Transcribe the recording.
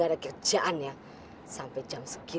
gini kan sekarang